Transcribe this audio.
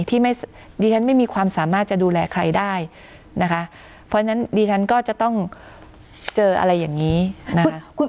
ที่ไม่ดิฉันไม่มีความสามารถจะดูแลใครได้นะคะเพราะฉะนั้นดิฉันก็จะต้องเจออะไรอย่างนี้นะคะ